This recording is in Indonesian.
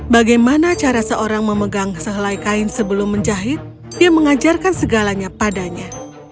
bagaimana cara seorang memegang sehelai kain sebelum menjahit dia mengajarkan segalanya padanya